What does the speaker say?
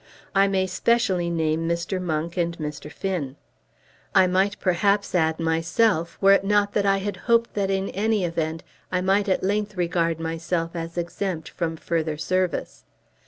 I may specially name Mr. Monk and Mr. Finn. I might perhaps add myself, were it not that I had hoped that in any event I might at length regard myself as exempt from further service.